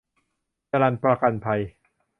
จรัญประกันภัย